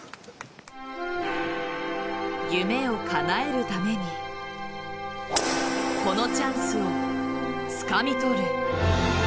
夢をかなえるためにこのチャンスをつかみ取る。